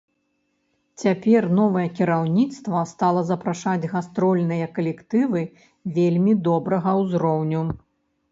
Цяпер новае кіраўніцтва стала запрашаць гастрольныя калектывы вельмі добрага ўзроўню.